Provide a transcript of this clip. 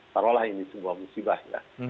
taruhlah ini sebuah musibah ya